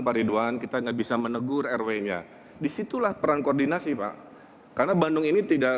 pak ridwan kita nggak bisa menegur rw nya disitulah peran koordinasi pak karena bandung ini tidak